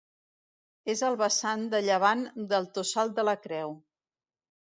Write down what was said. És al vessant de llevant del Tossal de la Creu.